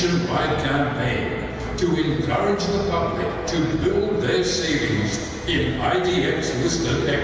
untuk membangun keuntungan mereka di idx dengan dengan keuntungan